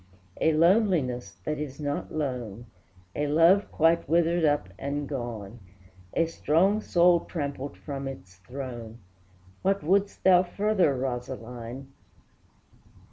A loneliness that is not lone, A love quite withered up and gone, A strong soul trampled from its throne, What wouldst thou further, Rosaline?